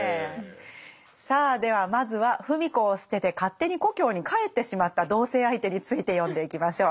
さあではまずは芙美子を捨てて勝手に故郷に帰ってしまった同棲相手について読んでいきましょう。